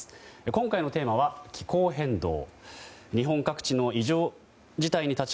今回のテーマは気候変動。